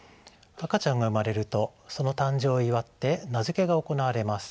赤ちゃんが産まれるとその誕生を祝って名付けが行われます。